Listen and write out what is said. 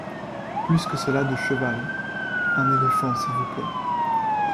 Plus que cela de cheval! un éléphant, s’il vous plaît.